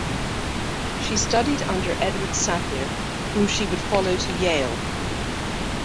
She studied under Edward Sapir, whom she would follow to Yale.